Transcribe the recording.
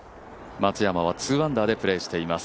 松山は２アンダーでプレーしています。